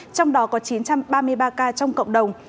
trong đó có chín trăm ba mươi ba ca trong cộng đồng